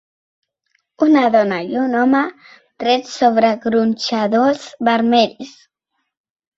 Una dona i un home drets sobre gronxadors vermells.